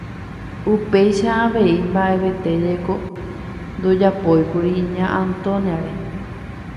Upéicha avei mba'evete jeko ndojapóikuri Ña Antonia-re.